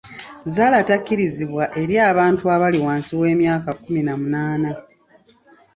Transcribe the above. Zzaala takkirizibwa eri abantu abali wansi w'emyaka kkumi na munaana.